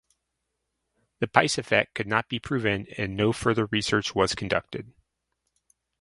The "Pais Effect" could not be proven and no further research was conducted.